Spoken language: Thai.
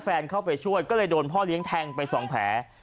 แฟนเข้าไปช่วยก็เลยโดนพ่อเลี้ยงแทงไปสองแผล